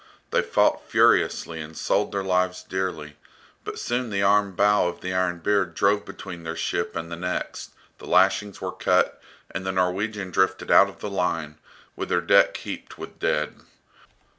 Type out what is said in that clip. They fought furiously and sold their lives dearly; but soon the armed bow of the "Iron Beard" drove between their ship and the next, the lashings were cut, and the Norwegian drifted out of the line, with her deck heaped with dead.